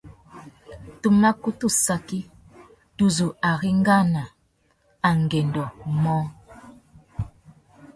Tu mà kutu saki tu zu arengāna angüêndô mô.